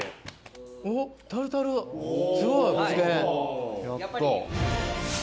おっタルタルすごいコジケン。